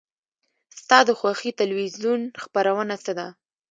ستا د خوښې تلویزیون خپرونه څه ده؟